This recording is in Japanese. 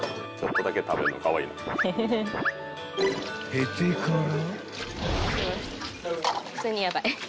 ［へてから］